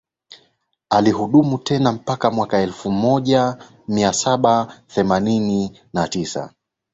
Alihudumu tena mpaka mwaka elfu moja mia saba themanini na tisa